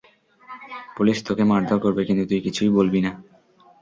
Police তোকে মারধর করবে, কিন্তু তুই কিছুই বলবি না।